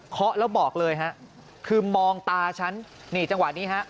แล้วบอกเลยฮะคือมองตาฉันนี่จังหวะนี้ฮะ